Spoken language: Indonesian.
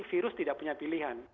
virus tidak punya pilihan